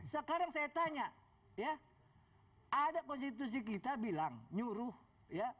sekarang saya tanya ya ada konstitusi kita bilang nyuruh ya